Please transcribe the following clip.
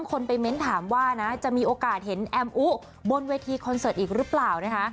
คนไปเม้นถามว่านะจะมีโอกาสเห็นแอมอุบนเวทีคอนเสิร์ตอีกหรือเปล่านะคะ